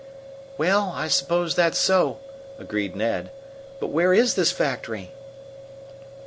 "Well, I suppose that's so," agreed Ned. "But what is this factory?"